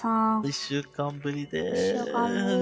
１週間ぶりです。